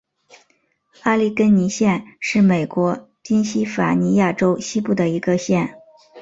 阿利根尼县是美国宾夕法尼亚州西部的一个县。